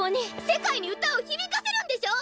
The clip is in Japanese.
世界に歌を響かせるんでしょ！